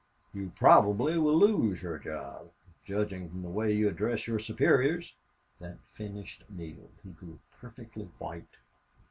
"You probably will lose your job, judging from the way you address your superiors." That finished Neale. He grew perfectly white.